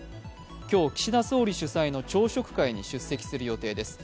今日、岸田総理主催の朝食会に出席する予定です。